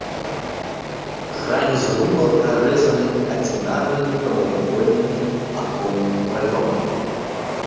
Грані зруба прарэзаны адзінарнымі прамавугольнымі аконнымі праёмамі.